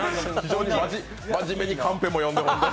真面目にカンペも読んでもらって。